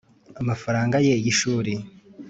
amafaranga ye y'ishuri